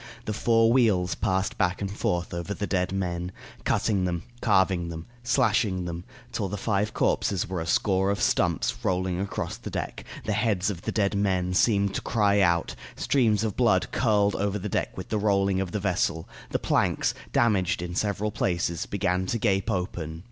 The four wheels passed back and forth over the dead men, cutting them, carving them, slashing them, till the five corpses were a score of stumps rolling across the deck; the heads of the dead men seemed to cry out; streams of blood curled over the deck with the rolling of the vessel; the planks, damaged in several places, began to gape open.